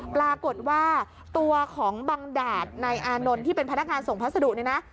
ปรากฏว่าตัวของบังดาดนายอานนท์ที่เป็นพนักงานส่งพัสดุเนี่ยนะ